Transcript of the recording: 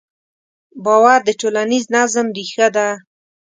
باور د ټولنیز نظم ریښه ده.